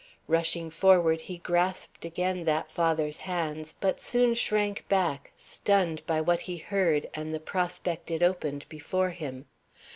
Rushing forward, he grasped again that father's hands, but soon shrank back, stunned by what he heard and the prospect it opened before him.